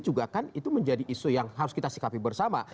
juga kan itu menjadi isu yang harus kita sikapi bersama